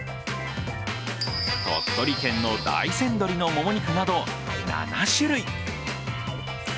鳥取県の大山どりのもも肉など７種類。